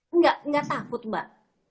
enggak takut mbak